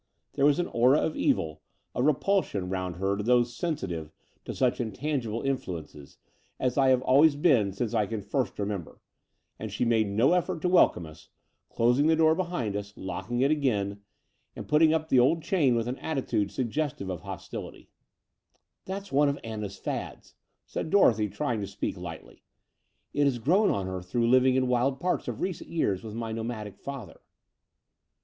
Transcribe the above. There was an aura of evil, of repul sion, round her to those sensitive to such intangible i6o The Door of the Unreal influences, as I have always been since I can first remember: and she made no eflEort to welcome us, dosing the door behind us, locking it again,, and putting up the old chain with an attitude sugges tive of hostility, "That's one of Anna's fads," said Dorothy, try ing to speak lightly. '' It has grown on her through living in wild parts of recent years with my no madic father."